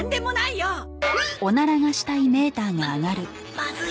ままずい